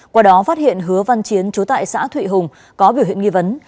qua đó phát hiện hứa văn chiến chú tại xã thụy hùng có biểu hiện nghi vấn